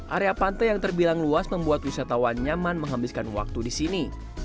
area pantai yang terbilang luas membuat wisatawan nyaman menghabiskan waktu di sini